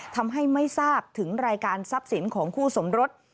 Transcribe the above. ทำให้ไม่ทราบถึงรายการทรัพย์สินของคู่สมรส